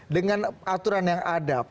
dengan aturan yang ada